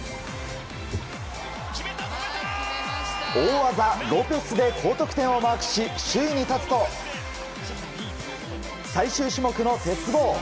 大技ロペスで高得点をマークし首位に立つと最終種目の鉄棒。